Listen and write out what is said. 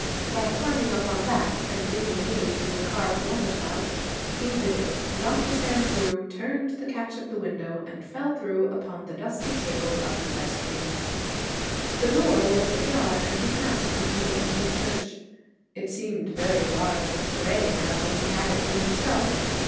By climbing upon that and getting a knee in the carved water spout He did it, got his hand through, turned the catch of the window, and fell through upon the dusty table of the vestry. The door was ajar and he passed into the empty church. It seemed very large and gray now that he had it to himself.